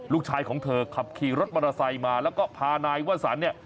ลูกชายของเธอขับขี่รถมอเตอร์ไซค์มาแล้วก็พานายวสันเนี่ย